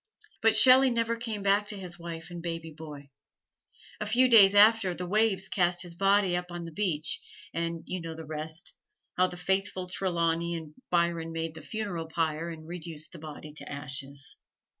But Shelley never came back to his wife and baby boy. A few days after, the waves cast his body up on the beach, and you know the rest how the faithful Trelawney and Byron made the funeral pyre and reduced the body to ashes.